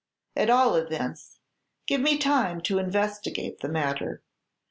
At all events, give me time to investigate the matter.